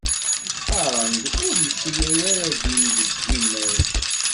Qqaren-d ur yettili ara ddin deg yimal.